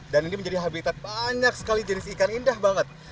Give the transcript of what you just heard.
dan ini menjadi habitat banyak sekali jenis ikan indah banget